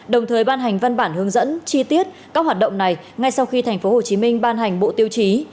đồng thời ban hành văn bản hướng dẫn chi tiết các hoạt động này ngay sau khi tp hcm ban hành bộ tiêu chí